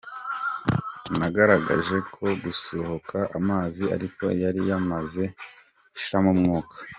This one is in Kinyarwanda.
Nagerageje no gusukaho amazi ariko yari yamaze gushiramo umwuka.